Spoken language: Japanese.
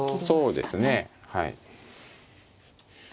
そうですねはい。